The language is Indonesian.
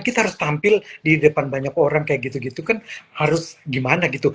kita harus tampil di depan banyak orang kayak gitu gitu kan harus gimana gitu